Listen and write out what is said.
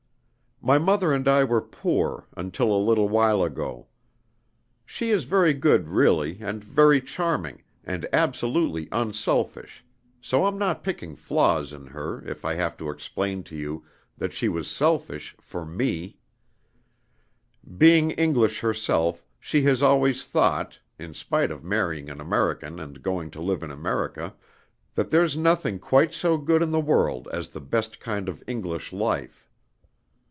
"My mother and I were poor, until a little while ago. She is very good really and very charming, and absolutely unselfish, so I'm not picking flaws in her if I have to explain to you that she was selfish for me. Being English herself, she has always thought in spite of marrying an American and going to live in America that there's nothing quite so good in the world as the best kind of English life.